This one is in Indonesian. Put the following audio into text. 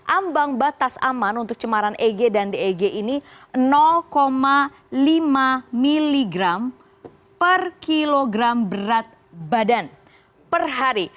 ambang batas aman untuk cemaran eg dan deg ini lima mg per kilogram berat badan per hari